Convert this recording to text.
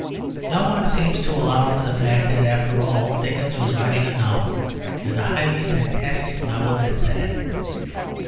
No one seems to allow for the fact that, after all, Dickens was writing a novel, and a highly fantastic novel at that.